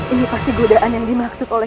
ini pasti godaan yang dimaksud oleh